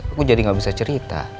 aku jadi gak bisa cerita